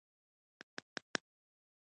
هېڅ کس له قانون پورته عمل نه شوای کولای.